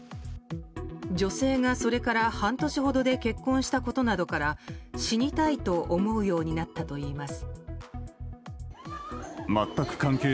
女性がそれから半年ほどで結婚したことなどから死にたいと思うようになったといいます。